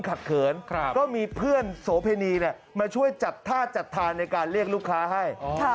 เขินก็มีเพื่อนโสเพณีมาช่วยจัดท่าจัดทานในการเรียกลูกค้าให้